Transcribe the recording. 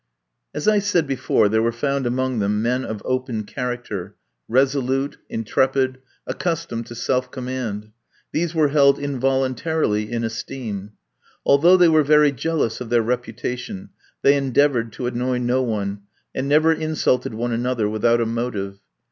As I said before, there were found among them men of open character, resolute, intrepid, accustomed to self command. These were held involuntarily in esteem. Although they were very jealous of their reputation, they endeavoured to annoy no one, and never insulted one another without a motive.